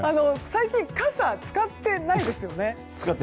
最近、傘使ってないですよね？